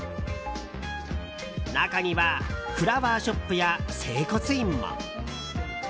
中にはフラワーショップや整骨院も。